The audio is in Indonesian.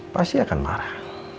pasti akan marah